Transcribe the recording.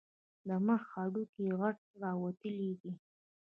د مخ هډوکي یې غټ او راوتلي دي.